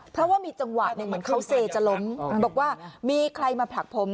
เพราะว่ามีจังหวะหนึ่งเหมือนเขาเซจะล้มบอกว่ามีใครมาผลักผม